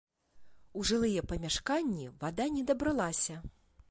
У жылыя памяшканні вада не дабралася.